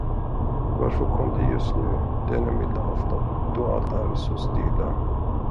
Varför kom det just nu, denna milda afton, då allt är så stilla?